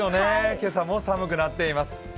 今朝も寒くなっています。